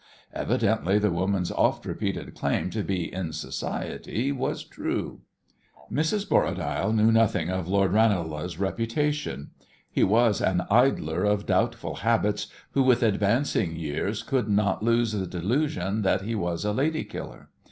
Evidently the woman's oft repeated claim to be in society was true. Mrs. Borradaile knew nothing of Lord Ranelagh's reputation. He was an idler of doubtful habits, who, with advancing years, could not lose the delusion that he was a lady killer.